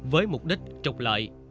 với mục đích trục lợi